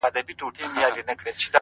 په دومره سپینو کي عجیبه انتخاب کوي ـ